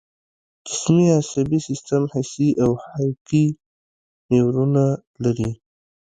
جسمي عصبي سیستم حسي او حرکي نیورونونه لري